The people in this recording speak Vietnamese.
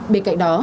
bên cạnh đó